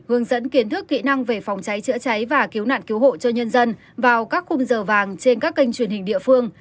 hướng dẫn kiến thức kỹ năng về phòng cháy chữa cháy và cứu nạn cứu hộ cho nhân dân vào các khung giờ vàng trên các kênh truyền hình địa phương